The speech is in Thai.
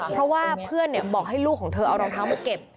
เพราะว่าเพื่อนบอกให้ลูกของเธอเอารองเท้ามาเก็บ